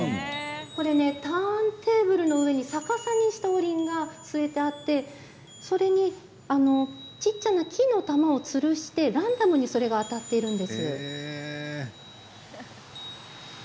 ターンテーブルの上に逆さにした、おりんが据えてあってそこに小さな木の球をつるしてランダムにそれが当たっているんです。